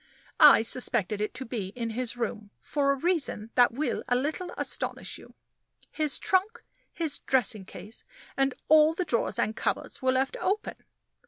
I suspected it to be in his room, for a reason that will a little astonish you his trunk, his dressing case, and all the drawers and cupboards, were left open.